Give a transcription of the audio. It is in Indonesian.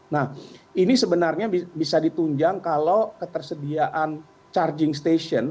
nah ini sebenarnya bisa ditunjang kalau ketersediaan charging station